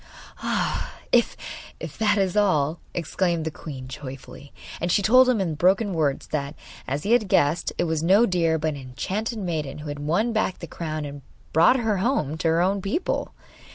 'Ah, if that is all,' exclaimed the queen joyfully. And she told him in broken words that, as he had guessed, it was no deer but an enchanted maiden who had won back the crown and brought her home to her own people.